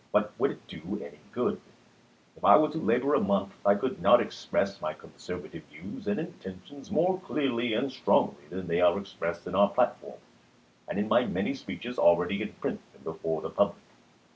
But would it do any good ? If I were to labor a month, I could not ex press my conservative views and intentions more clearly and strongly than they are expressed in our platform and in my many speeches already in print and before the public.